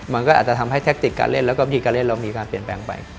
มันก็อาจจะทำให้แทคติกการเล่นแล้วก็วิธีการเล่นเรามีการเปลี่ยนแปลงไป